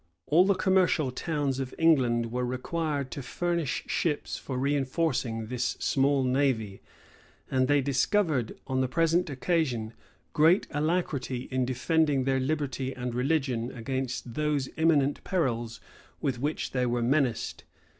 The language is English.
[*] All the commercial towns of England were required to furnish ships for reenforcing this small navy; and they discovered, on the present occasion, great alacrity in defending their liberty and religion against those imminent perils with which they were menaced.